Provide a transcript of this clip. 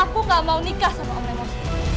aku gak mau nikah sama om remas